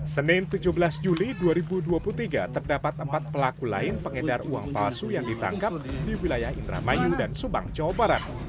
senin tujuh belas juli dua ribu dua puluh tiga terdapat empat pelaku lain pengedar uang palsu yang ditangkap di wilayah indramayu dan subang jawa barat